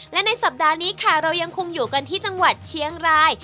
และในสัปดาห์นี้ค่ะเรายังคงอยู่กันที่จังหวัดเชียงราย